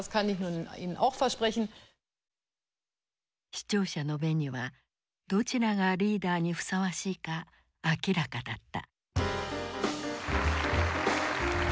視聴者の目にはどちらがリーダーにふさわしいか明らかだった。